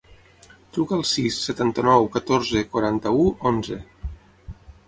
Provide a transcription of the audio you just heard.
Truca al sis, setanta-nou, catorze, quaranta-u, onze.